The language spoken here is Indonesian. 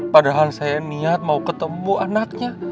padahal saya niat mau ketemu anaknya